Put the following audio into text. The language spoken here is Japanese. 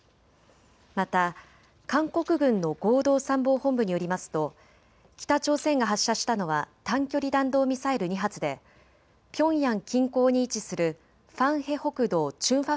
また韓国軍の合同参謀本部によりますと北朝鮮が発射したのは短距離弾道ミサイル２発でピョンヤン近郊に位置するファンヘ北道チュンファ